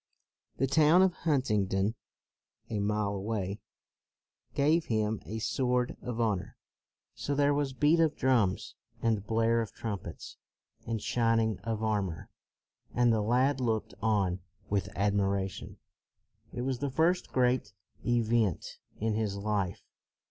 The town of Hunt ingdon, a mile away, gave him a sword of honor. So there was beat of drums, and blare of trumpets, and shining of armor; and the lad looked on with ad miration. It was the first great event in his life.